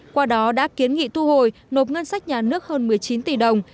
qua đó đã kiến nghị thu hồi nộp ngân sách nhà nước hơn một mươi chín tỷ đồng